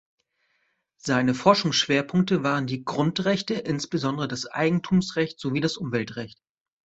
Seine Forschungsschwerpunkte waren die Grundrechte, insbesondere das Eigentumsrecht sowie das Umweltrecht.